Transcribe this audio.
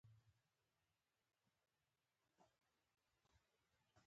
له خورا توندلارو مذهبي غورځنګونو سره پیوند لري.